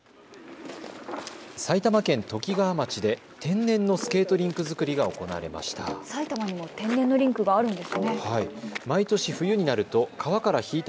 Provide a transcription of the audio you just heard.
埼玉県ときがわ町で天然のスケートリンク造りが行われました。